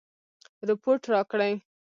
رپوټ راکړي.